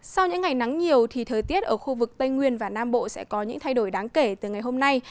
sau những ngày nắng nhiều thì thời tiết ở khu vực tây nguyên và nam bộ sẽ có những thay đổi đáng kể từ ngày hôm nay